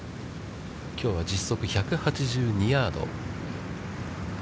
きょうは実測１８２ヤード。